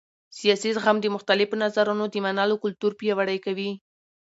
سیاسي زغم د مختلفو نظرونو د منلو کلتور پیاوړی کوي